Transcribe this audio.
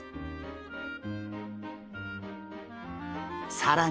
さらに。